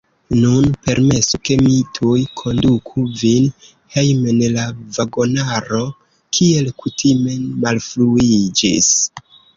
Nun permesu, ke mi tuj konduku vin hejmen; la vagonaro, kiel kutime, malfruiĝis.